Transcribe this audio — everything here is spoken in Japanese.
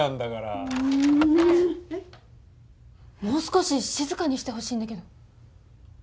もう少し静かにしてほしいんだけど。